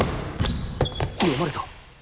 読まれた！